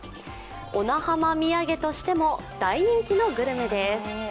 小名浜土産としても大人気のグルメです。